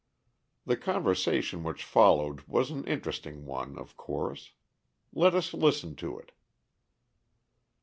The conversation which followed was an interesting one, of course. Let us listen to it.